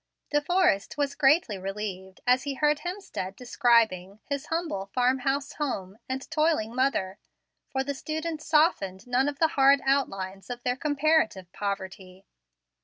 De Forrest was greatly relieved as he heard Hemstead describing his humble, farm house home and toiling mother; for the student softened none of the hard outlines of their comparative poverty.